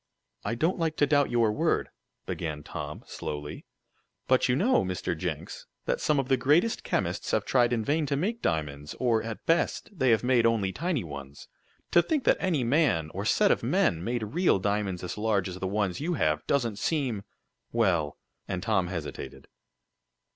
"I don't like to doubt your word," began Tom, slowly, "but you know, Mr. Jenks, that some of the greatest chemists have tried in vain to make diamonds; or, at best, they have made only tiny ones. To think that any man, or set of men, made real diamonds as large as the ones you have, doesn't seem well " and Tom hesitated.